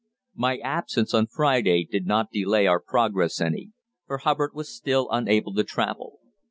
My absence on Friday did not delay our progress any; for Hubbard was still unable to travel.